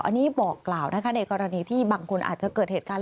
อันนี้บอกกล่าวนะคะในกรณีที่บางคนอาจจะเกิดเหตุการณ์